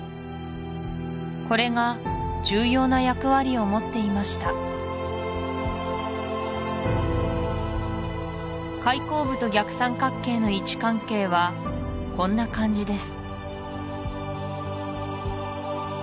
これが重要な役割をもっていました開口部と逆三角形の位置関係はこんな感じです